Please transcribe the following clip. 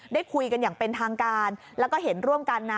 ได้คุยกันอย่างเป็นทางการแล้วก็เห็นร่วมกันนะ